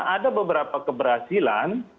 ada beberapa keberhasilan